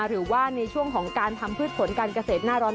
หรือว่าในช่วงของการทำพืชผลการเกษตรหน้าร้อน